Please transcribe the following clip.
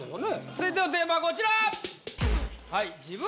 続いてのテーマはこちら！